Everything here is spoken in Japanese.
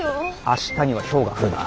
明日にはひょうが降るな。